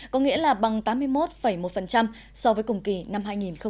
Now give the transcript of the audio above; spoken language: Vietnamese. có nghĩa là bằng tám mươi một một so với cùng kỳ năm hai nghìn một mươi tám